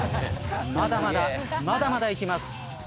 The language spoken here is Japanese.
まだまだまだまだいきます。